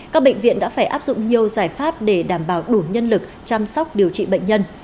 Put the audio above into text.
các bệnh viện đã phải áp dụng nhiều giải pháp để đảm bảo đủ nhân lực chăm sóc điều trị bệnh nhân